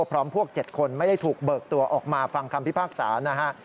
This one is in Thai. พร้อมพวก๗คนไม่ได้ถูกเบิกตัวออกมาฟังคำพิพากษานะฮะ